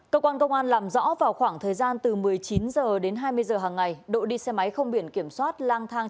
cơ quan công an làm rõ vào khoảng thời gian từ một mươi chín h đến hai mươi h hàng ngày độ đi xe máy không biển kiểm soát lang thang